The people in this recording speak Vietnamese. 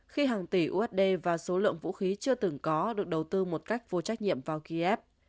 khi hàng tỷ usd và số lượng vũ khí chưa từng có được đầu tư một cách vô trách nhiệm vào kiev